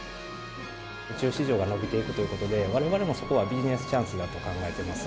宇宙市場が伸びていくということで、われわれもそこはビジネスチャンスだと考えてます。